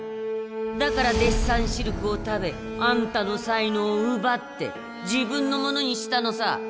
だからデッサン汁粉を食べあんたの才能をうばって自分のものにしたのさ！